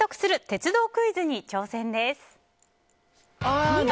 鉄道クイズに挑戦です。